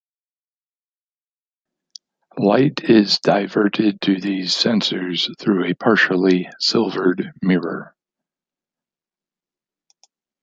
Light is diverted to these sensors through a partially silvered mirror.